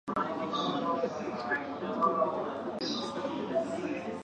Robert Stanfield was elected the new leader.